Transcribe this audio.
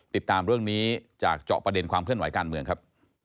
ติดตามเรื่องนี้จากเจาะประเด็นความเคลื่อนไหวการเมืองครับ